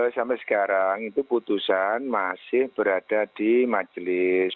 sampai sekarang itu putusan masih berada di majelis